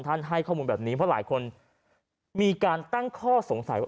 ให้ข้อมูลแบบนี้เพราะหลายคนมีการตั้งข้อสงสัยว่า